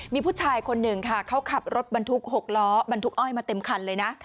มีผู้ชายคนหนึ่งค่ะเขาขับรถบรรทุก๖ล้อบรรทุกอ้อยมาเต็มคันเลยนะ